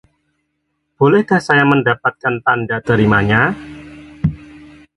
Bolehkah saya mendapatkan tanda terimanya?